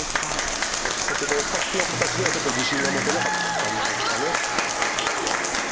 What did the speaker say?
いきたかったけどさっきの形ではちょっと自信が持てなかったんですかね。